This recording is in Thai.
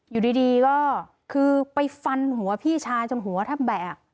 อยู่ดีก็คือไปฟันหัวพี่ชายจนหัวแทบแบก